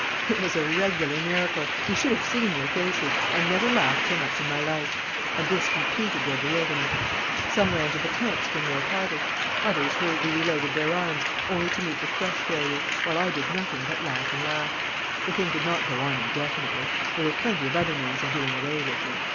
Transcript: "It was a regular miracle. You should have seen their faces. I never laughed so much in my life; and this completed their bewilderment. "Some ran to the tents for more powder. Others hurriedly reloaded their arms, only to meet with fresh failure, while I did nothing but laugh and laugh! The thing could not go on indefinitely. There were plenty of other means of doing away with me.